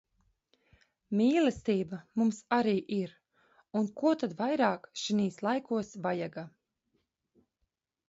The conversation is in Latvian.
Mīlestība mums arī ir un ko tad vairāk šinīs laikos vajaga.